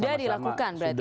sudah dilakukan berarti ya